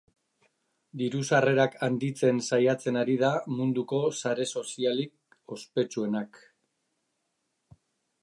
Diru sarrerak handitzen saiatzen ari da munduko sare sozialik ospetsuenak.